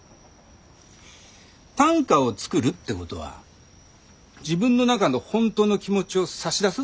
短歌を作るってことは自分の中の本当の気持ちを差し出すってことでしょ。